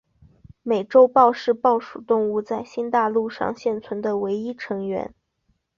美洲豹是豹属动物在新大陆上现存的唯一成员。